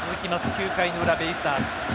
９回の裏、ベイスターズ。